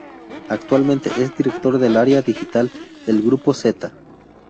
Actualmente es director del área digital del Grupo Zeta.